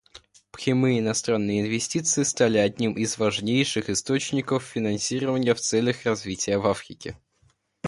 Прямые иностранные инвестиции стали одним из важнейших источников финансирования в целях развития в Африке.